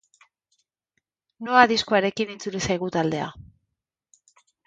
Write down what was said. Noa diskoarekin itzuli zaigu taldea.